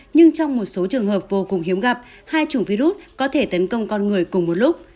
nhưng trong một số trường hợp vô cùng hiếm gặp hai chủng virus có thể tấn công con người cùng một lúc